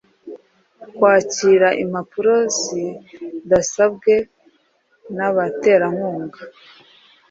kwakira impano zidasabwe nabaterankunga